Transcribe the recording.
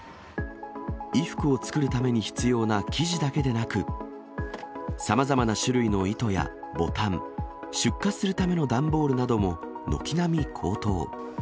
衣服を作るために必要な生地だけでなく、さまざまな種類の糸やボタン、出荷するための段ボールなども軒並み高騰。